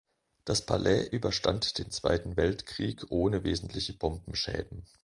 Das Palais überstand den Zweiten Weltkrieg ohne wesentliche Bombenschäden.